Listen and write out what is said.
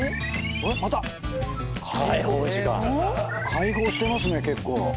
解放してますね結構。